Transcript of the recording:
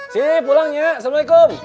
sini pulangnya assalamualaikum